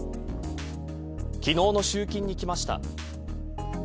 昨日の集金に来ました。